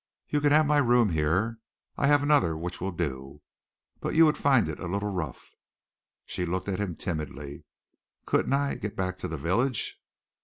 You can have my room here. I have another which will do, but you would find it a little rough." She looked at him timidly. "Couldn't I get back to the village?"